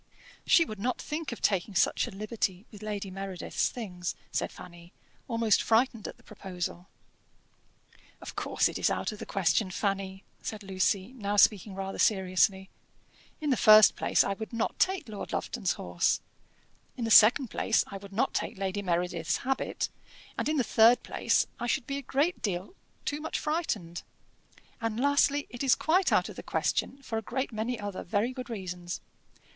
"She would not think of taking such a liberty with Lady Meredith's things," said Fanny, almost frightened at the proposal. "Of course it is out of the question, Fanny," said Lucy, now speaking rather seriously. "In the first place, I would not take Lord Lufton's horse; in the second place, I would not take Lady Meredith's habit; in the third place, I should be a great deal too much frightened; and, lastly, it is quite out of the question for a great many other very good reasons."